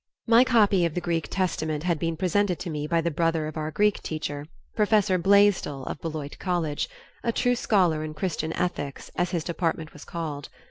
My copy of the Greek testament had been presented to me by the brother of our Greek teacher, Professor Blaisdell of Beloit College, a true scholar in "Christian Ethics," as his department was called.